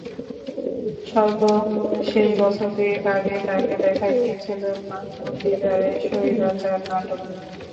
সর্বশেষ বছর দুয়েক আগে তাঁকে দেখা গিয়েছিল মাহমুদ দিদারের স্বৈরাচার নাটকে।